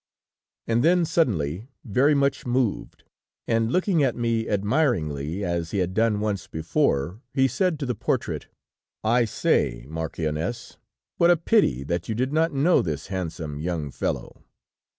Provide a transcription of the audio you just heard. "And then suddenly, very much moved, and looking at me admiringly, as he had done once before, he said to the portrait: "'I say, marchioness, what a pity that you did not know this handsome young fellow!'